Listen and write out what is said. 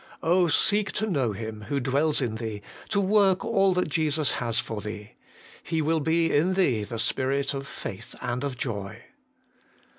Oh, seek to know Him, who dwells in thee, to work all that Jesus has for thee : He will be in thee the Spirit of faith and of joy.